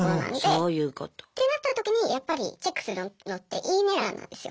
そういうこと。ってなった時にやっぱりチェックするのって「いいね欄」なんですよ。